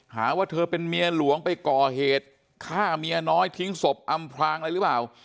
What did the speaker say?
หาว่าเธอเป็นเมียหลวงไปก่อเหตุฆ่าเมียน้อยทิ้งศพอำพลางอะไรหรือเปล่า